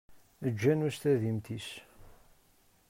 Eǧǧ anu s tadimt-nnes.